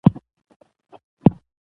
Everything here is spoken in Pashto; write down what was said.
ميين د کړم سوک د رانه کړ